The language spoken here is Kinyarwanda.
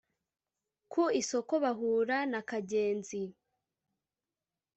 ku isoko bahura na Kagenzi